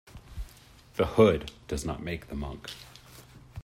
The hood does not make the monk.